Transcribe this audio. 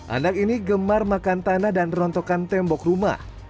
anak ini gemar makan tanah dan rontokan tembok rumah